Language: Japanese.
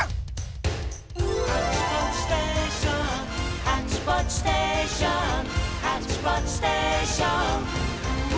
「ハッチポッチステーションハッチポッチステーション」「ハッチポッチステーション」